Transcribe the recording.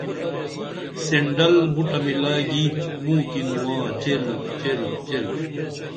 سِنڈل بُٹہ مِلائی گی موں کی نواں چیل چیل چیل